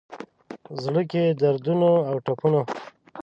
زړه کي دردونو اوټپونو،